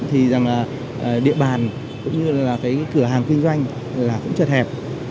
thì rằng là địa bàn cũng như là cái cửa hàng kinh doanh là cũng chật hẹp